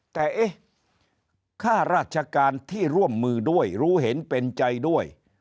แต่เอ๊ะค่าราชการที่ร่วมมือด้วยรู้เห็นเป็นใจด้วย